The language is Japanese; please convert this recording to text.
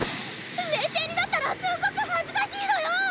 冷静になったらすんごく恥ずかしいのよぉおお！